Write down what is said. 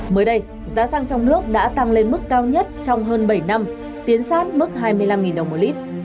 mới đây giá xăng trong nước đã tăng lên mức cao nhất trong hơn bảy năm tiến sát mức hai mươi năm đồng một lít